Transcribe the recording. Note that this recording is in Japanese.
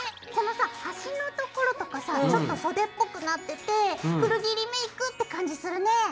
このさ端のところとかさちょっと袖っぽくなってて古着リメイクって感じするね。